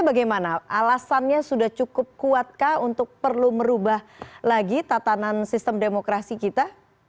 bagaimana alasannya sudah cukup kuatkah untuk perlu merubah lagi tatanan sistem demokrasi kita